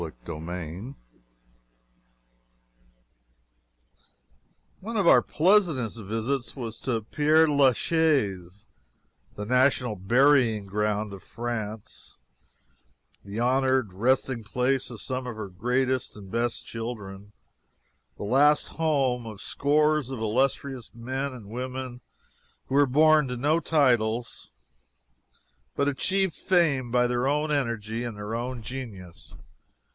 CHAPTER XV. One of our pleasantest visits was to Pere la Chaise, the national burying ground of France, the honored resting place of some of her greatest and best children, the last home of scores of illustrious men and women who were born to no titles, but achieved fame by their own energy and their own genius.